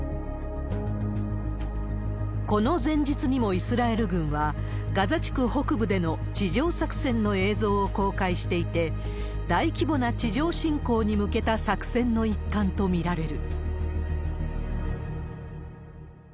この前日にもイスラエル軍は、ガザ地区北部での地上作戦の映像を公開していて、大規模な地上侵攻に向けた作戦の一環と見られる。